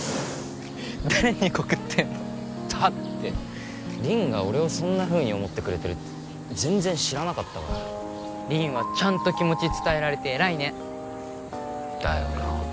誰に告ってんのだって凛が俺をそんなふうに思ってくれてるって全然知らなかったから凛はちゃんと気持ち伝えられて偉いねだよな